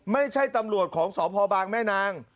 ไม่ใช่ตำรวจของสพบางแม่นาง